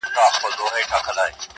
چي د وجود له آخرې رگه وتلي شراب,